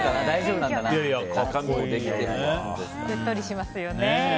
うっとりしますよね。